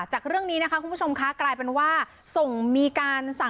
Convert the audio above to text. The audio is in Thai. จากเรื่องนี้คุณผู้ชมคะกลายเป็นว่า